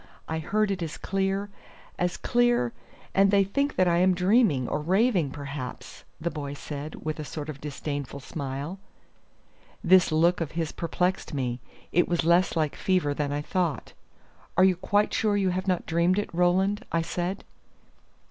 I heard it as clear as clear; and they think that I am dreaming, or raving perhaps," the boy said, with a sort of disdainful smile. This look of his perplexed me; it was less like fever than I thought. "Are you quite sure you have not dreamed it, Roland?" I said.